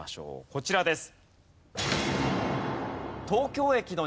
こちらです。